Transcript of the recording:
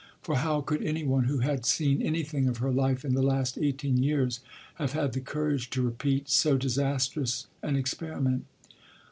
For how could any one who had seen anything of her life in the last eighteen years have had the courage to repeat so disastrous an experiment?